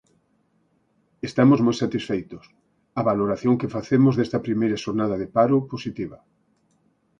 Estamos moi satisfeitos, a valoración que facemos desta primeira xornada de paro positiva.